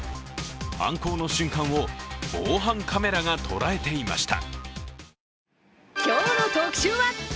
犯行の瞬間を防犯カメラが捉えていました。